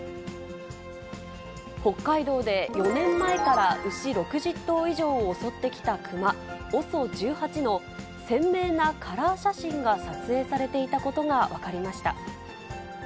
北海道で４年前から牛６０頭以上を襲ってきたクマ、ＯＳＯ１８の鮮明なカラー写真が撮影されていたことが分かりました。